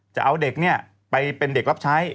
จะเอาเด็กไปเป็นเด็กรับใช้